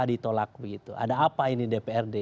ditolak begitu ada apa ini dprd